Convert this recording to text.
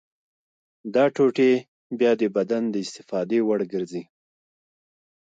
دا ټوټې بیا د بدن د استفادې وړ ګرځي.